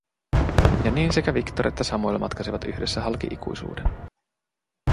Ja niin sekä Victor että Samuel matkasivat yhdessä halki ikuisuuden.